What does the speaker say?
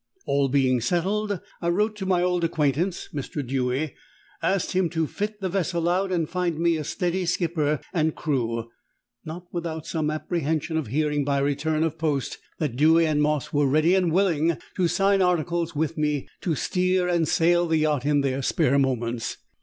All being settled, I wrote to my old acquaintance, Mr. Dewy, asking him to fit the vessel out, and find me a steady skipper and crew not without some apprehension of hearing by return of post that Dewy and Moss were ready and willing to sign articles with me to steer and sail the yacht in their spare moments.